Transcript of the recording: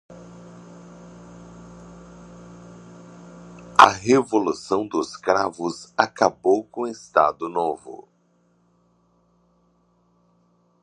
A Revolução dos Cravos acabou com o Estado Novo.